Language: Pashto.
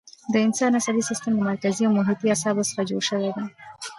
د انسان عصبي سیستم له مرکزي او محیطي اعصابو څخه جوړ دی.